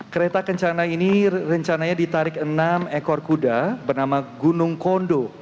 kereta kencana ini rencananya ditarik enam ekor kuda bernama gunung kondo